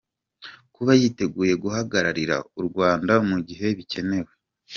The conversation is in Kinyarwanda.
Kuba yiteguye guhagararira u Rwanda mu gihe bikenewe.